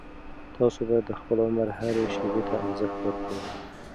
تاسو باید د خپل عمر هرې شېبې ته ارزښت ورکړئ.